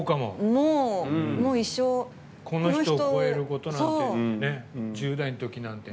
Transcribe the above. もう一生この人を超えることなんて。